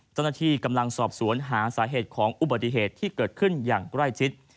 เจ้าหน้าที่กำลังสอบสวนหาสาเหตุของอุบัติเหตุที่เกิดขึ้นอย่างใกล้ชิด